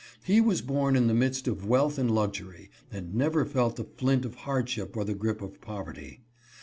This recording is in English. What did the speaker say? He was born in the midst of wealth and luxury, and never felt the flint of hardship or the grip of poverty.